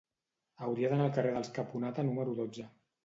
Hauria d'anar al carrer dels Caponata número dotze.